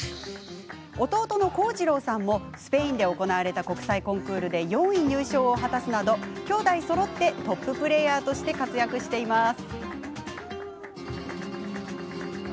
弟の康次郎さんもスペインで行われた国際コンクールで４位入賞を果たすなど兄弟そろってトッププレーヤーとして活躍しています。